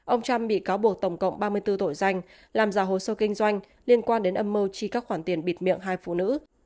ông trump bị cáo buộc tổng cộng ba mươi bốn tội danh làm giả hồ sơ kinh doanh liên quan đến âm mưu chi các khoản tiền bịt miệng hai phụ nữ